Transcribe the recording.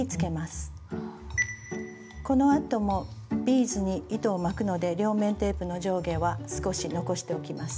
このあともビーズに糸を巻くので両面テープの上下は少し残しておきます。